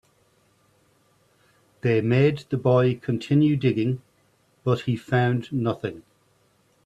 They made the boy continue digging, but he found nothing.